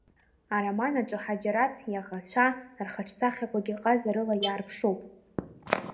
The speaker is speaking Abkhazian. Ароман аҿы Ҳаџьараҭ иаӷацәа рхаҿсахьақәагьы ҟазарыла иаарԥшуп.